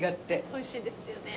おいしいですよね。